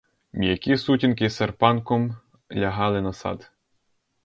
М'які сутінки серпанком лягали на сад.